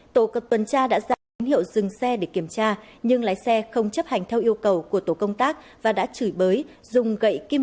tổ cập tuần tra đã ra tín hiệu dừng xe để kiểm tra nhưng lái xe không chấp hành theo yêu cầu của tổ công tác và đã chửi bới dùng gậy kim